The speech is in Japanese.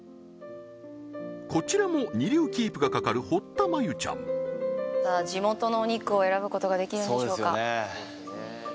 こちらも二流キープが懸かる堀田真由ちゃんさあ地元のお肉を選ぶことができるんでしょうか？